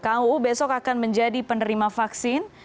kang uu besok akan menjadi penerima vaksin